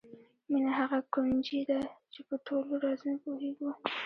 مینه هغه کونجي ده چې په ټولو رازونو پوهېږو.